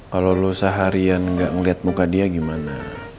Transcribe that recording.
kalau kamu seharian nggak ngeliat muka dia gimana